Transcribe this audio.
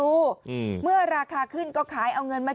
โอ้ยโอ้ยโอ้ยโอ้ยโอ้ย